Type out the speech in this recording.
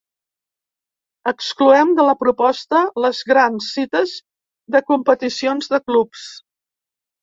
Excloem de la proposta les grans cites de competicions de clubs.